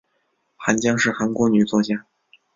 韩江是韩国女作家。